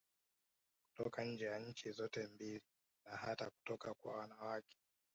Kutoka nje ya nchi zote mbili na hata kutoka kwa wanawake